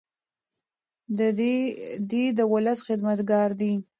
دی د ولس خدمتګار دی.